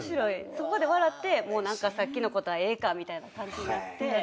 そこで笑ってもうさっきのことはええかみたいな感じになって。